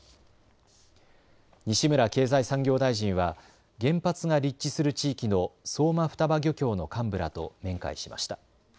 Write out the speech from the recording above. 西村経済産業大臣は原発が立地する地域の相馬双葉漁協の幹部らと面会しました。